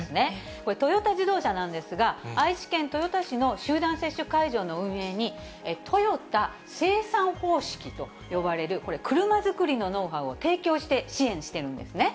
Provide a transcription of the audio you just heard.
これ、トヨタ自動車なんですが、愛知県豊田市の集団接種会場の運営に、トヨタ生産方式と呼ばれる、これ、車作りのノウハウを提供して、支援しているんですね。